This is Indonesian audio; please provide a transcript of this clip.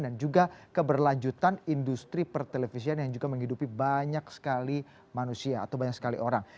dan juga keberlanjutan industri pertelevisian yang juga menghidupi banyak sekali manusia atau banyak sekali orang